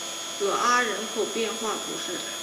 戈阿人口变化图示